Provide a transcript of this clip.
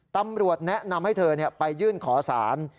ตำรวจแนะนำให้เธอไปยื่นขอสาร